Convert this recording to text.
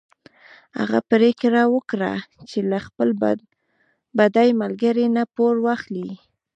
هغه پرېکړه وکړه چې له خپل بډای ملګري نه پور واخلي.